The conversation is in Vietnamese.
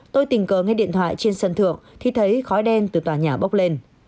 tôi tình cờ nghe điện thoại trên sân thượng thì thấy khói đen từ tòa nhà bốc lên